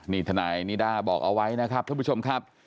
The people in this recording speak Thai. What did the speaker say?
นี่ทนายนิด้าบอกเอาไว้นะครับท่านผู้ชมครับ